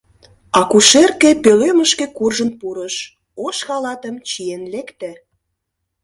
Акушерке пӧлемышке куржын пурыш, ош халатым чиен лекте.